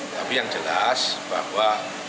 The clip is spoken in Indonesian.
tapi yang jelas bahwa